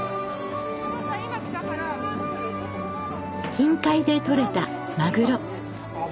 近海で取れたマグロ。